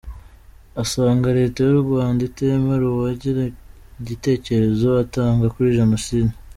Asanga Leta y’u Rwanda itemera uwagira igitekerezo atanga kuri Jenoside.